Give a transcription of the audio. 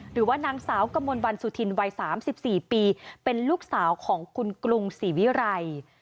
หรือว่านางสาวกมลวันสุธินวัย๓๔ปีเป็นลูกสาวของคุณกรุงศรีวิรัย